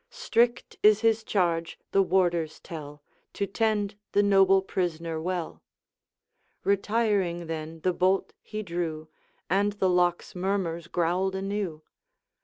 Strict is his charge, the warders tell, To tend the noble prisoner well.' Retiring then the bolt he drew, And the lock's murmurs growled anew.